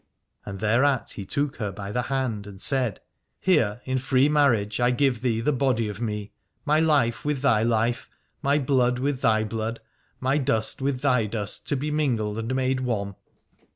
And thereat he took her by the 268 Aladore hand and said : Here in free marriage I give thee the body of me, my life with thy life, my blood with thy blood, my dust with thy dust to be mingled and made one.